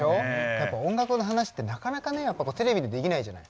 やっぱ音楽の話ってなかなかテレビでできないじゃない。